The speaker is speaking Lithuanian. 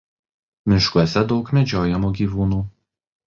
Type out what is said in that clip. Miškuose daug medžiojamų gyvūnų.